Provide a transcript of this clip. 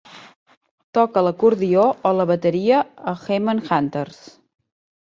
Toca l'acordió o la bateria a Heman Hunters.